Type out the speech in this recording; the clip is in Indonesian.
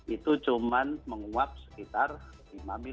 itu cuma menguap sekitar lima mm